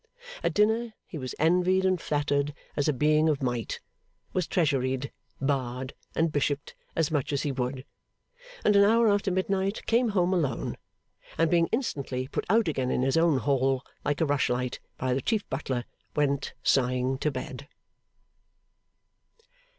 At dinner, he was envied and flattered as a being of might, was Treasuried, Barred, and Bishoped, as much as he would; and an hour after midnight came home alone, and being instantly put out again in his own hall, like a rushlight, by the chief butler, went sighing to bed.